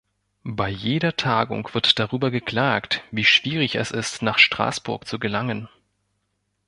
Bei jeder Tagung wird darüber geklagt, wie schwierig es ist, nach Straßburg zu gelangen.